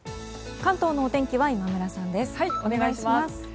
関東のお天気は今村さんです。